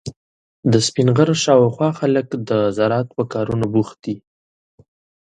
د سپین غر شاوخوا خلک د زراعت په کارونو بوخت دي.